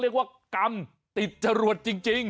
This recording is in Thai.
เรียกว่ากรรมติดจรวดจริง